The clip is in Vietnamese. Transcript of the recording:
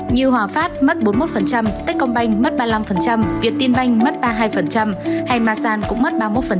như hòa phát mất bốn mươi một tết công banh mất ba mươi năm việt tiên banh mất ba mươi hai hay ma san cũng mất ba mươi một